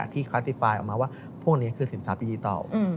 ที่คลาสติฟาย์ออกมาว่าพวกนี้คือสินทรัพย์ดิจิตอล